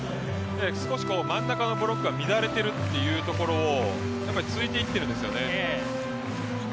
少し真ん中のブロックが乱れているところを突いていっているんですよね。